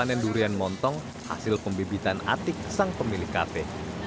panen durian montong hasil pembibitan atik sang pemilik kafe